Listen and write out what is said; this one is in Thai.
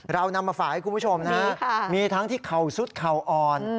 เรานำมาฝากให้คุณผู้ชมนะฮะมีทั้งที่เข่าซุดเข่าอ่อน